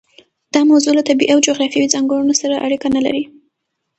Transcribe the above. دا موضوع له طبیعي او جغرافیوي ځانګړنو سره اړیکه نه لري.